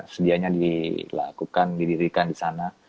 sedianya dilakukan didirikan di sana